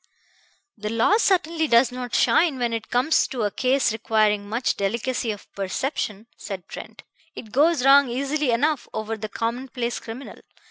"The law certainly does not shine when it comes to a case requiring much delicacy of perception," said Trent. "It goes wrong easily enough over the commonplace criminal.